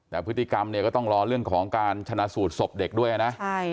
แต่พฤติกรรมเนี่ยก็ต้องรอเรื่องของการชนะสูตรศพเด็กด้วยนะ